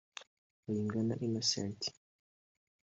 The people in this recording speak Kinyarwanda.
Bayingana Innocent